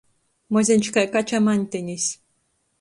Mozeņš kai kača maņtenis.